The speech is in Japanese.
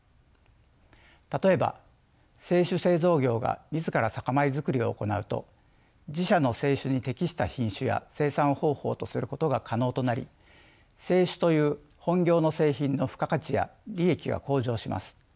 例えば清酒製造業が自ら酒米づくりを行うと自社の清酒に適した品種や生産方法とすることが可能となり清酒という本業の製品の付加価値や利益が向上します。